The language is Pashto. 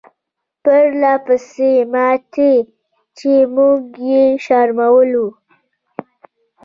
پرله پسې ماتې چې موږ یې شرمولو.